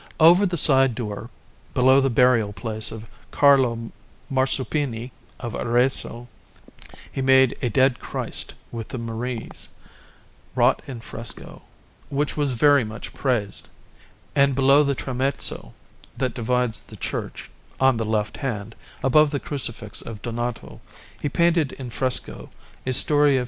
Over the side door, below the burial place of Carlo Marsuppini of Arezzo, he made a Dead Christ with the Maries, wrought in fresco, which was very much praised; and below the tramezzo that divides the church, on the left hand, above the Crucifix of Donato, he painted in fresco a story of S.